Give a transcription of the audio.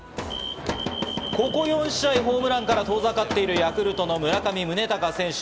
ここ４試合、ホームランから遠ざかっているヤクルトの村上宗隆選手。